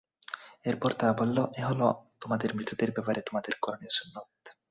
এরপর তারা বলল, এ হলো তোমাদের মৃতদের ব্যাপারে তোমাদের করণীয় সুন্নত।